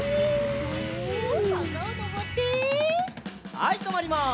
はいとまります。